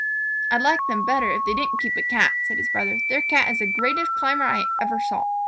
"I'd like them better if they didn't keep a Cat," said his brother. "Their Cat is the greatest climber I ever saw.